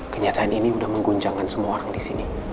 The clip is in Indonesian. kenyataan ini udah mengguncangkan semua orang disini